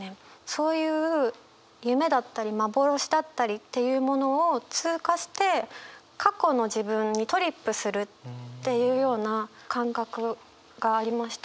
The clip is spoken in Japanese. そういう夢だったり幻だったりっていうものを通過して過去の自分にトリップするっていうような感覚がありました。